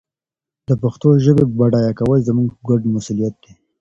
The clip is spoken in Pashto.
د پښتو ژبي بډایه کول زموږ ګډ مسؤلیت دی.